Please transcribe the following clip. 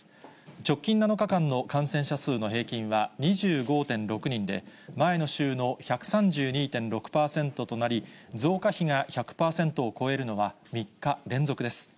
直近７日間の感染者数の平均は２５．６人で、前の週の１３２．６％となり、増加比が１００％を超えるのは３日連続です。